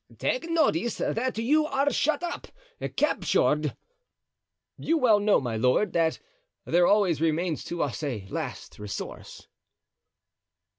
"Take notice that you are shut up—captured." "You well know, my lord, that there always remains to us a last resource."